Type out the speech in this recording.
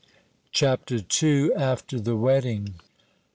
CHAPTER II. AFTER THE WEDDING.